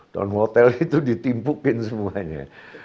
dan hotel itu ditimpukin semuanya